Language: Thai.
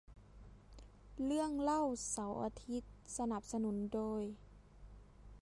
เรื่องเล่าเสาร์อาทิตย์ สนับสนุนโดย